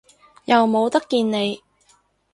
又冇得見你